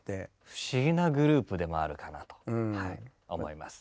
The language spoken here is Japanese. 不思議なグループでもあるかなとはい思います。